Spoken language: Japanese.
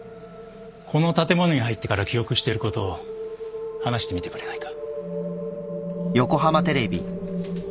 この建物に入ってから記憶してることを話してみてくれないか。